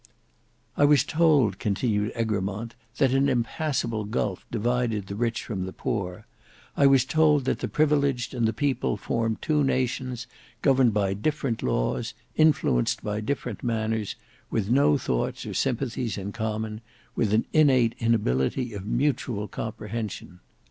"I was told," continued Egremont, "that an impassable gulf divided the Rich from the Poor; I was told that the Privileged and the People formed Two Nations, governed by different laws, influenced by different manners, with no thoughts or sympathies in common; with an innate inability of mutual comprehension.